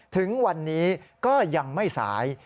ถึงวันนี้ก็ยังไม่สาย